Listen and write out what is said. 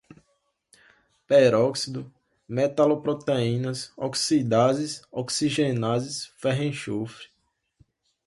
peróxido, metaloproteínas, oxidases, oxigenases, ferro-enxofre